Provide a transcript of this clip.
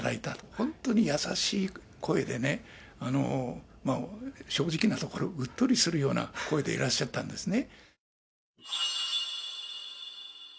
本当に優しい声でね、正直なところ、うっとりするような声でいらっしゃったんですね。